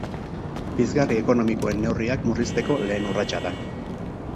Pizgarri ekonomikoen neurriak murrizteko lehen urratsa da.